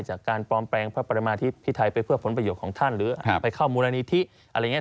จากการปลอมแปลงพระประมาธิพิไทยไปเพื่อผลประโยชน์ของท่านหรือไปเข้ามูลนิธิอะไรอย่างนี้